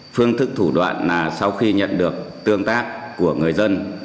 phương thức thủ đoạn là sau khi nhận được tương tác của người dân